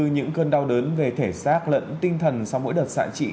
những cơn đau đớn về thể xác lẫn tinh thần sau mỗi đợt xạ trị